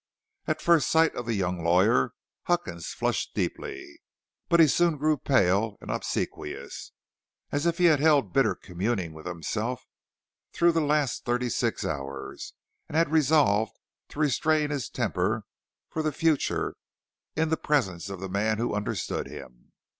At first sight of the young lawyer Huckins flushed deeply, but he soon grew pale and obsequious, as if he had held bitter communing with himself through the last thirty six hours, and had resolved to restrain his temper for the future in the presence of the man who understood him.